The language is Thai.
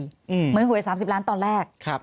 คือเหมือนหวย๓๐ล้านบาทตอนแรก